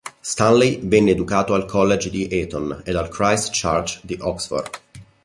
Stanley venne educato al College di Eton ed al Christ Church di Oxford.